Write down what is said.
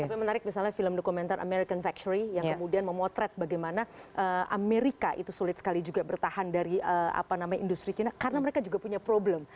tapi menarik misalnya film dokumenter american factory yang kemudian memotret bagaimana amerika itu sulit sekali juga bertahan dari industri china karena mereka juga punya problem